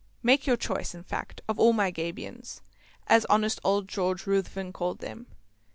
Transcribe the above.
Make your choice, in fact, of all my Gabions, as honest old George Ruthven called them.